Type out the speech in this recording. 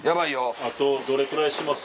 あとどれくらいします？